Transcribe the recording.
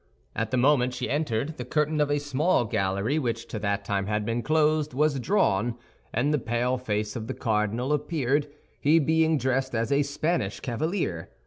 At the moment she entered, the curtain of a small gallery which to that time had been closed, was drawn, and the pale face of the cardinal appeared, he being dressed as a Spanish cavalier.